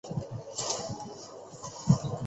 进入维巴庭园要经过加尔默罗街。